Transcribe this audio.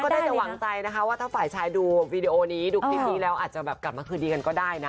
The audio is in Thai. ได้แต่หวังใจนะคะว่าถ้าฝ่ายชายดูวีดีโอนี้ดูคลิปนี้แล้วอาจจะแบบกลับมาคืนดีกันก็ได้นะ